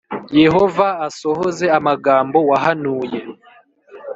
Yehova asohoze amagambo wahanuye